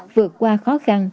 vượt qua khó khăn